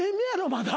まだ。